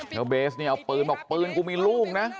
เจ้าเบชนี่เอาปืนมาอะปืนกุมีรูปนะ